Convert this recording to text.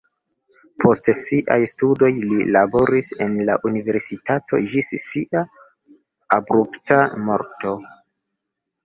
Post siaj studoj li laboris en la universitato ĝis sia abrupta morto.